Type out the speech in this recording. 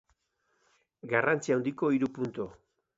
Garrantzi handiko hiru puntu.